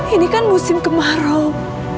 ini kan musim kemarau